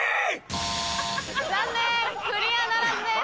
残念クリアならずです。